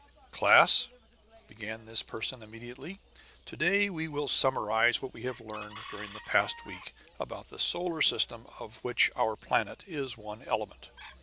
"Class," began this person immediately, "to day we will summarize what we have learned during the past week about the solar system of which our planet is one element."